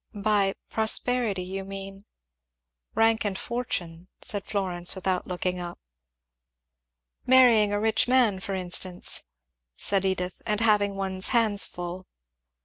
"By prosperity you mean ?" "Rank and fortune," said Florence, without looking up. "Marrying a rich man, for instance," said Edith, "and having one's hands full."